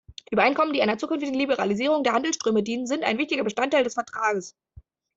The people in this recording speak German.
Übereinkommen, die einer zukünftigen Liberalisierung der Handelsströme dienen, sind ein wichtiger Bestandteil des Vertrages.